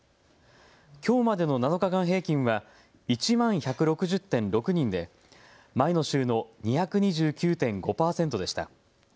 きょうまでの７日間平均は１万１６０．６人で前の週の２２９．５％でした。